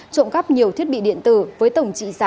trộm cắp nhiều thiết bị điện tử